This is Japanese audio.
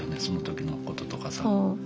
その時のこととかさ。